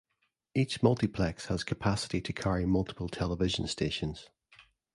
Each multiplex has capacity to carry multiple television stations.